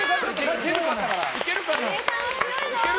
いけるかな？